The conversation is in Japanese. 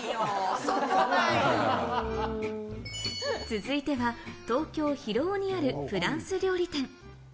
続いては東京・広尾にあるフランス料理店。